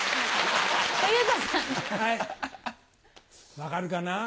分かるかな？